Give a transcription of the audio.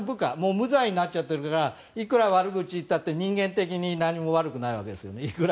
無罪になっちゃってるからいくら悪口を言ったって人間的に悪くないわけです。